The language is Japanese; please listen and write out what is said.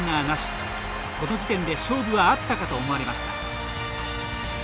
この時点で勝負はあったかと思われました。